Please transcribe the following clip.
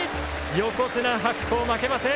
横綱白鵬負けません。